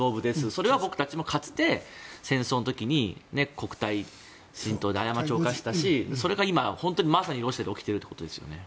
それは僕たちもかつて戦争の時に国体神道で過ちを犯したしそれが今、まさにロシアで起きていることですよね。